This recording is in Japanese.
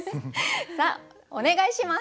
さあお願いします。